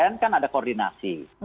ini kan ada koordinasi